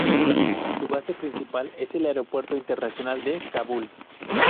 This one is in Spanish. Su base principal es el Aeropuerto Internacional de Kabul.